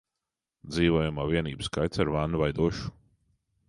Dzīvojamo vienību skaits ar vannu vai dušu